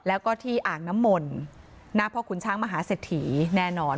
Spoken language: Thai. แล้วก็ที่อ่างน้ำมลณพ่อขุนช้างมหาเสถีย์แน่นอน